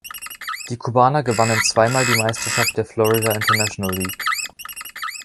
Die Kubaner gewannen zweimal die Meisterschaft der Florida International League.